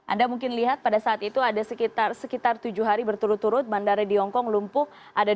anda mungkin lihat pada saat itu ada sekitar tujuh hari berturut turut bandara di hongkong lumpuh